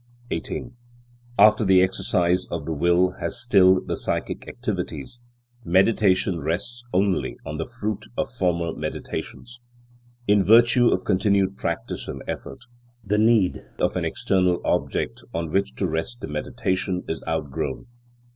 18. After the exercise of the will has stilled the psychic activities, meditation rests only on the fruit of former meditations. In virtue of continued practice and effort, the need of an external object on which to rest the meditation is outgrown.